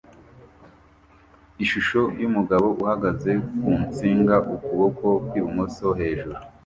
Ishusho yumugabo uhagaze ku nsinga ukuboko kwi bumoso hejuru